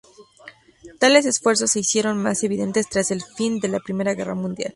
Tales esfuerzos se hicieron más evidentes tras el fin de la Primera Guerra Mundial.